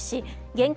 現金